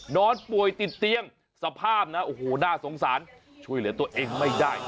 นอนป่วยติดเตียงสภาพนะโอ้โหน่าสงสารช่วยเหลือตัวเองไม่ได้